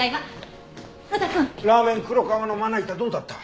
ラーメン黒川のまな板どうだった？